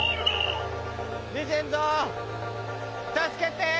レジェンドたすけて！